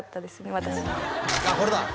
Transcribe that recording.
私あっこれだ！